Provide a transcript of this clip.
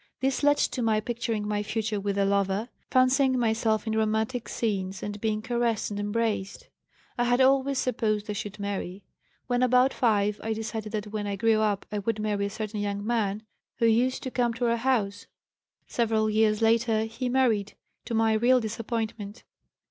This lead to my picturing my future with a lover, fancying myself in romantic scenes and being caressed and embraced. I had always supposed I should marry. When about 5 I decided that when I grew up I would marry a certain young man who used to come to our house. Several years later he married, to my real disappointment.